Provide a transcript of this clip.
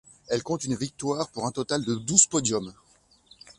Elle compte une victoire, pour un total de douze podiums.